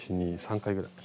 １２３回ぐらい。